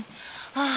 ああ。